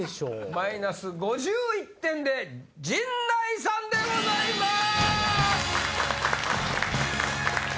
マイナス５１点で陣内さんでございます！